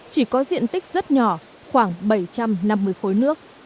chỉ có diện tích rất nhỏ khoảng bảy trăm năm mươi khối nước